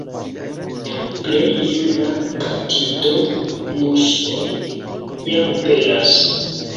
Plej juna katido musojn jam pelas.